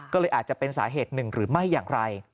ก็เลยอาจจะเป็นสาเหตุหนึ่งหรือไม่อย่างไร